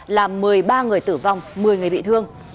làm một mươi ba người tử vong một mươi người bị thương